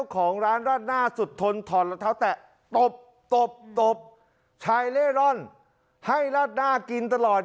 ของร้านราดหน้าสุดทนถอดรองเท้าแตะตบตบตบชายเล่ร่อนให้ราดหน้ากินตลอด